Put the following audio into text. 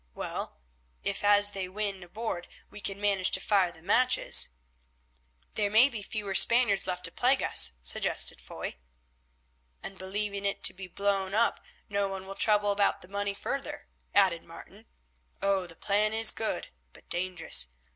Well, if as they win aboard we can manage to fire the matches——" "There may be fewer Spaniards left to plague us," suggested Foy. "And believing it to be blown up no one will trouble about that money further," added Martin. "Oh! the plan is good, but dangerous.